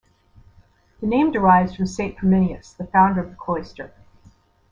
The name derives from Saint Pirminius, the founder of the cloister.